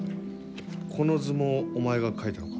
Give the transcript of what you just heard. この図もお前が描いたのか？